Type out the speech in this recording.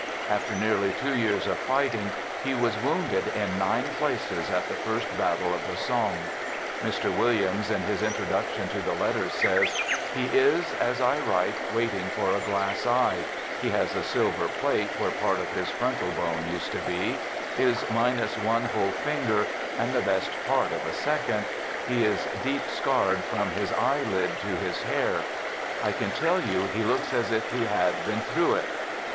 After nearly two years of fighting, he was wounded in nine places at the first battle of the Somme. Mr. Williams in his intro duction to the letters says: "He is, as I write, waiting for a glass eye ; he has a silver plate where 77 Digitized by 78 "THE GOOD SOLDIER 99 part of his frontal bone used to be; is minus one whole finger, and the best part of a second. He is deep scarred from his eye lid to his hair. I can tell you he looks as if he had been through it.